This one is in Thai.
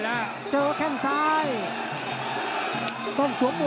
ตามต่อยกที่๓ครับ